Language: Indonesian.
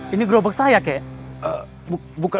ini grobek saya kek